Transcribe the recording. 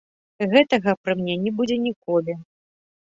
Гэтага пры мне не будзе ніколі!